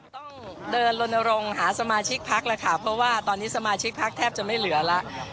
ต้องเดินลนรงค์หาสมาชิกพักแล้วค่ะเพราะว่าตอนนี้สมาชิกพักแทบจะไม่เหลือแล้ว